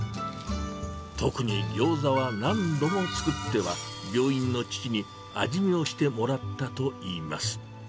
特にギョーザは何度も作っては、病院の父に味見をしてもらったといいます。